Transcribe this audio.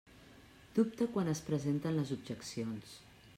Dubta quan es presenten les objeccions.